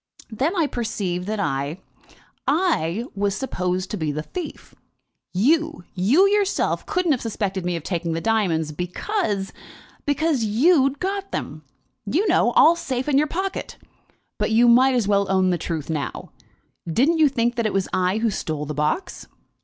"Then I perceived that I I was supposed to be the thief. You you yourself couldn't have suspected me of taking the diamonds, because because you'd got them, you know, all safe in your pocket. But you might as well own the truth now. Didn't you think that it was I who stole the box?"